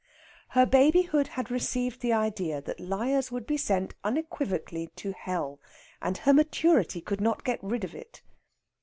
Her babyhood had received the idea that liars would be sent unequivocally to hell, and her maturity could not get rid of it.